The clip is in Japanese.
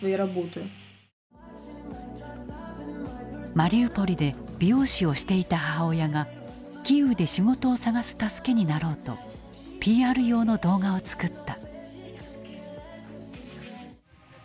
マリウポリで美容師をしていた母親がキーウで仕事を探す助けになろうとＰＲ用の動画を作った。